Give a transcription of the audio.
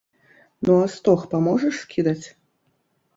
Ну, а стог паможаш скідаць?